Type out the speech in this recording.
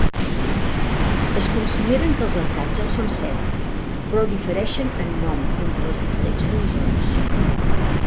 Es consideren que els arcàngels són set, però difereixen en nom entre les diferents religions.